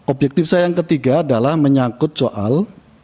objektif saya yang ketiga adalah menyangkut soal